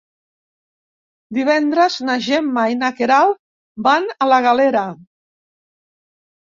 Divendres na Gemma i na Queralt van a la Galera.